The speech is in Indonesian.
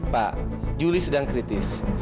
pak juli sedang kritis